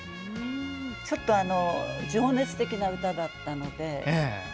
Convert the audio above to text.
ちょっと情熱的な歌だったので。